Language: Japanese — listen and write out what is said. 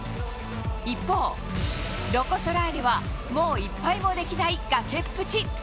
一方、ロコ・ソラーレはもう１敗もできない崖っぷち。